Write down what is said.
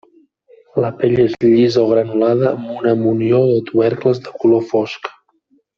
La pell és llisa o granulada amb una munió de tubercles de color fosc.